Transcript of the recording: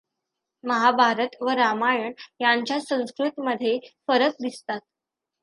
महाभारत व रामायण यांच्या संस्कृतमध्ये फरक दिसतात.